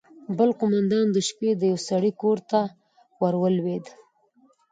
بل قومندان د شپې د يوه سړي کور ته ورولوېد.